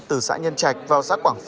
từ xã nhân trạch vào xã quảng bình